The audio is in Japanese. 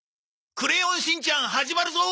『クレヨンしんちゃん』始まるぞ。